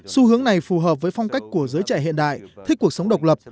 xu hướng này phù hợp với phong cách của giới trẻ hiện đại thích cuộc sống độc lập